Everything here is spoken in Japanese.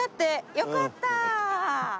よかった。